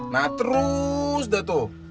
nah terus dato